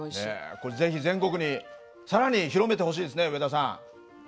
これぜひ全国に更に広めてほしいですね上田さん。